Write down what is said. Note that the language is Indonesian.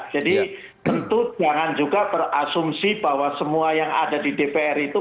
jadi tentu jangan juga berasumsi bahwa semua yang ada di dpr itu